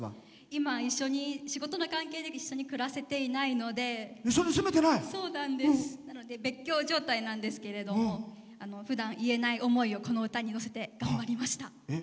今、仕事の関係で一緒に暮らせていないのでなので別居状態なんですけどもふだん言えない思いをこの歌にのせて頑張りました。